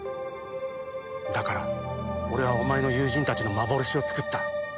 だから俺はお前の友人たちの幻を作った。